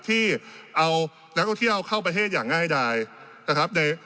ที่เอานักท่องเที่ยวเข้าประเทศอย่างง่ายดายนะครับ